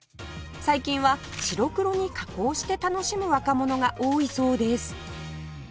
最近は白黒に加工して楽しむ若者が多いそうです